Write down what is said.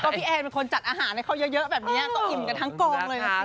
พี่แอนเป็นคนจัดอาหารให้เขาเยอะแบบนี้ก็อิ่มกันทั้งกองเลย